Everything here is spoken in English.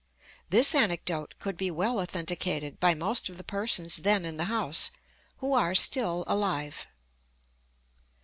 This anecdote could be well authenticated by most of the persons then in the house, who are still alive.